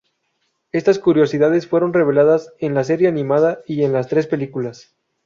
Estas curiosidades fueron reveladas en la serie animada y en las tres películas.